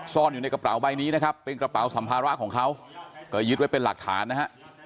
ซ่อนอยู่ในกระเป๋าใบนี้นะครับเป็นกระเป๋าสัมภาระของเขาก็ยึดไว้เป็นหลักฐานนะฮะ